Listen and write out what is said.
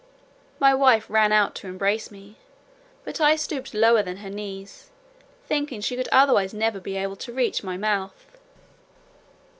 My wife ran out to embrace me, but I stooped lower than her knees, thinking she could otherwise never be able to reach my mouth.